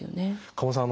加茂さん